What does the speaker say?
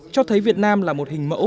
cho thấy việt nam là một hình mẫu